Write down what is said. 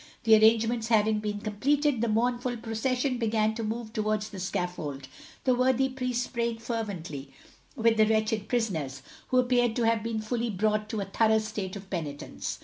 The arrangements having been completed, the mournful procession began to move towards the scaffold, the worthy priests praying fervently with the wretched prisoners, who appeared to have been fully brought to a thorough state of penitence.